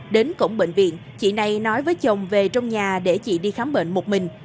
đến cổng bệnh viện chị này nói với chồng về trong nhà để chị đi khám bệnh một mình